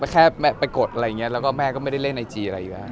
แค่ไปกดอะไรอย่างนี้แล้วก็แม่ก็ไม่ได้เล่นไอจีอะไรอยู่แล้ว